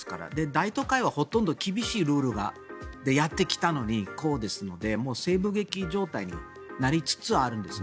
大都会はほとんど厳しいルールでやってきたのにこうですので、西部劇状態になりつつあるんです。